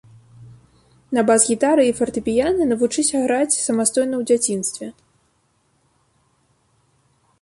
На бас-гітары і фартэпіяна навучыся граць самастойна ў дзяцінстве.